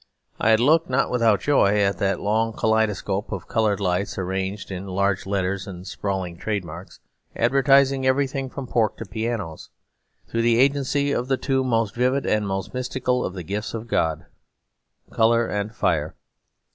I had looked, not without joy, at that long kaleidoscope of coloured lights arranged in large letters and sprawling trade marks, advertising everything, from pork to pianos, through the agency of the two most vivid and most mystical of the gifts of God; colour and fire.